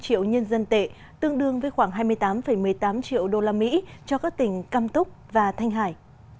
chính phủ nước này đã phân bổ hai trăm linh triệu nhân dân tệ tương đương với khoảng hai mươi tám một mươi tám triệu usd cho các tỉnh cam túc và thanh hải